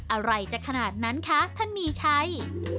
อะไรจะขนาดนั้นคะท่านมีชัย